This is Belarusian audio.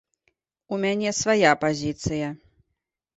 У мяне свая пазіцыя.